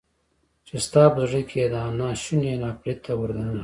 چې ستا په زړه کې يې دا ناشونی ناپړیته ور دننه کړه.